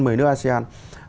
mấy nước asean